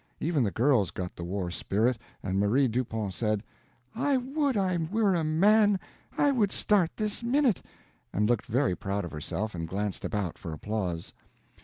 Even the girls got the war spirit, and Marie Dupont said: "I would I were a man; I would start this minute!" and looked very proud of herself, and glanced about for applause.